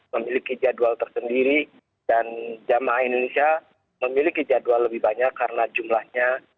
memiliki jadwal tersendiri dan jamaah indonesia memiliki jadwal lebih banyak karena jumlahnya